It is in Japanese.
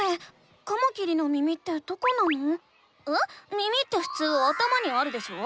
耳ってふつう頭にあるでしょ？